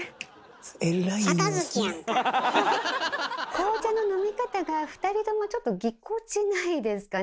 紅茶の飲み方が２人ともちょっとぎこちないですかね。